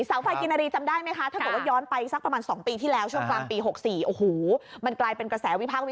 สาวไฟกินนารีจำได้ไหมคะถ้าเกิดว่าย้อนไปสักประมาณ๒ปีที่แล้วช่วงกลางปี๖๔